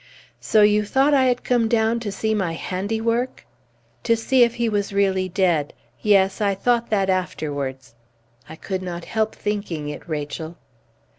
"So you thought I had come down to see my handiwork!" "To see if he was really dead. Yes, I thought that afterwards. I could not help thinking it, Rachel."